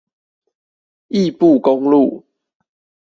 義布公路